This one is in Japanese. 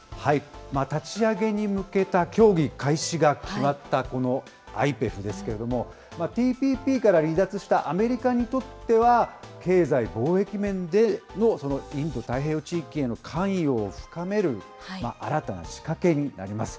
立ち上げに向けた協議開始が決まったこのＩＰＥＦですけれども、ＴＰＰから離脱したアメリカにとっては、経済・貿易面でのインド太平洋地域への関与を深める、新たな仕掛けになります。